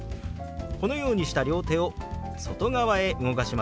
このようにした両手を外側へ動かしますよ。